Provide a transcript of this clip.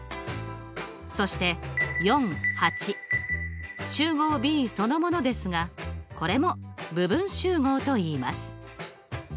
そして集合Ｂそのものですがこれも部分集合といいます。